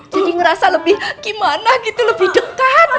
jadi ngerasa lebih gimana gitu lebih dekat